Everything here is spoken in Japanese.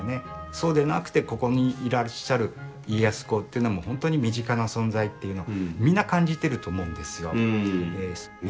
そうでなくてここにいらっしゃる家康公っていうのは本当に身近な存在っていうのみんな感じてると思うんですよ。